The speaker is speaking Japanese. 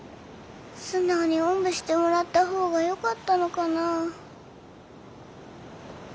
素直におんぶしてもらった方がよかったのかな？